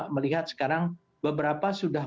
melihat sekarang beberapa sudah